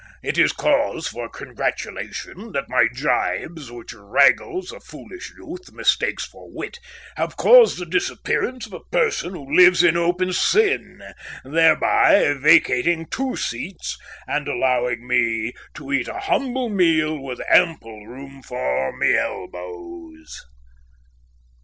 It is cause for congratulation that my gibes, which Raggles, a foolish youth, mistakes for wit, have caused the disappearance of a person who lives in open sin; thereby vacating two seats, and allowing me to eat a humble meal with ample room for my elbows."